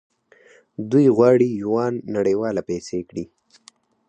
دوی غواړي یوان نړیواله پیسې کړي.